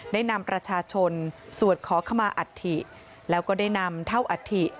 ได้นำประชาชนสวดขอขมาอัฐิแล้วก็ได้นำเท่าอัฐิ